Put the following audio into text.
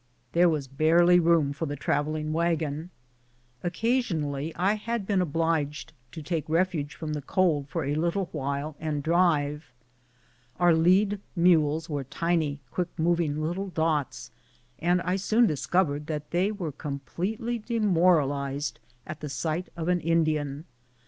There was barely room for the travelling wagon. Occasionally I had been obliged to take refuge from the cold for a little while and drive. Our lead mules were tiny, quick moving little dots, and I soon discovered that they were completely demoralized at the sight of an Indian.